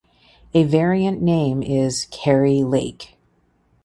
A variant name is "Carey Lake".